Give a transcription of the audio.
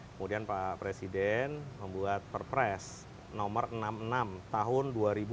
kemudian pak presiden membuat perpres nomor enam puluh enam tahun dua ribu dua puluh